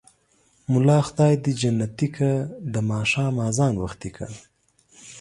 ملا خداى دى جنتې که ـ د ماښام ازان وختې که.